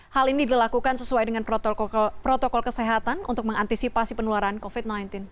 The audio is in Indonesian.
hal ini dilakukan sesuai dengan protokol kesehatan untuk mengantisipasi penularan covid sembilan belas